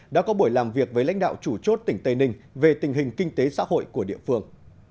đã có buổi làm việc với lãnh đạo chủ chốt tỉnh tây ninh về tình hình kinh tế xã hội của địa phương